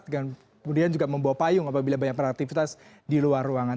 kemudian juga membawa payung apabila banyak beraktivitas di luar ruangan